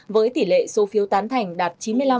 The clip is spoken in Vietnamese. với tỷ lệ số phiếu tán thành đạt chín mươi năm năm mươi năm